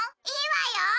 いいわよ！